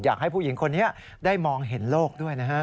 อยากให้ผู้หญิงคนนี้ได้มองเห็นโลกด้วยนะฮะ